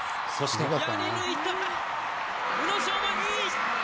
そして。